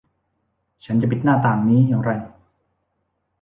ฉันจะปิดหน้าต่างนี้อย่างไร